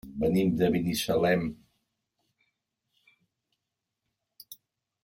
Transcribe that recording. Venim de Binissalem.